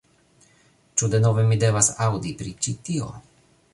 "Ĉu denove, mi devas aŭdi pri ĉi tio"